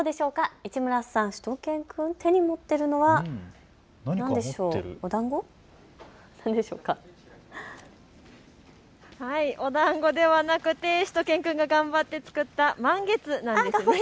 市村さん、しゅと犬くん手に持っているのは何でしょうかおだんご？おだんごではなくてしゅと犬くんが頑張って作った満月なんです。